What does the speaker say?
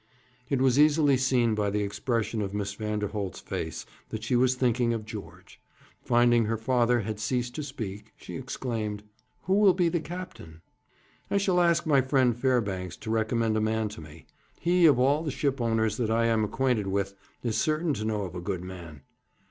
It was easily seen by the expression of Miss Vanderholt's face that she was thinking of George. Finding her father had ceased to speak, she exclaimed: 'Who will be the captain?' 'I shall ask my friend Fairbanks to recommend a man to me. He, of all the shipowners that I am acquainted with, is certain to know of a good man.'